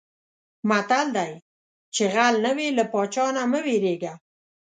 متل دی: چې غل نه وې له پادشاه نه مه وېرېږه.